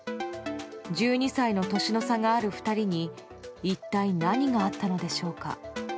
１２歳の年の差がある２人に一体何があったのでしょうか。